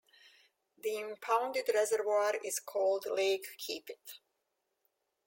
The impounded reservoir is called Lake Keepit.